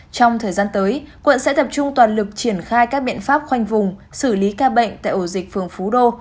trong thời gian tới quận sẽ tập trung toàn lực triển khai các biện pháp khoanh vùng xử lý ca bệnh tại ổ dịch phường phú đô